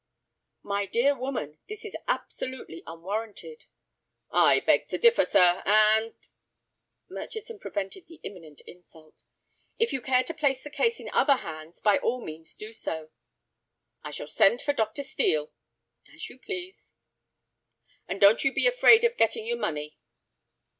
"My dear woman, this is absolutely unwarranted." "I beg to differ, sir, and—" Murchison prevented the imminent insult. "If you care to place the case in other hands, by all means do so." "I shall send for Dr. Steel." "As you please." "And don't you be afraid of getting your money."